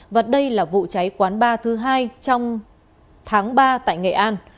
và đây là vụ cháy quán bar thứ hai trong tháng ba tại nghệ an